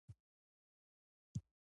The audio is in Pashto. پوهه او کتاب د انسان غوره ملګري دي.